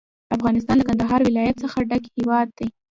افغانستان له کندهار ولایت څخه ډک هیواد دی.